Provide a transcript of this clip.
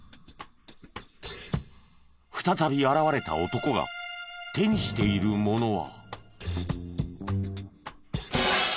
再び現れた男が手にしているものは。